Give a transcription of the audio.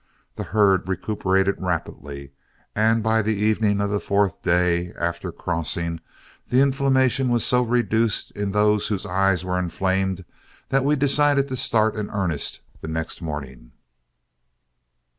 The herd recuperated rapidly, and by the evening of the fourth day after crossing, the inflammation was so reduced in those whose eyes were inflamed, that we decided to start in earnest the next morning.